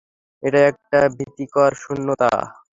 এটা একটা ভীতিকর শূন্যতা।